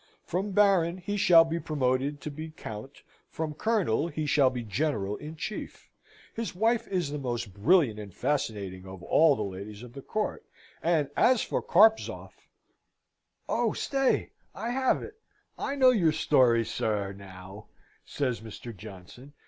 From Baron he shall be promoted to be Count, from Colonel he shall be General in Chief. His wife is the most brilliant and fascinating of all the ladies of the court and as for Carpzoff "Oh, stay I have it I know your story, sir, now," says Mr. Johnson.